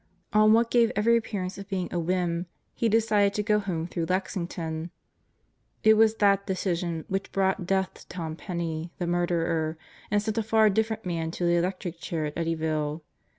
On what gave every appearance of being a whim, he decided to go home through Lexington. It was that decision which brought death to Tom Penney the murderer and sent a far different man to the electric chair at Eddyville.